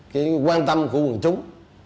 cái quan tâm của quần chúng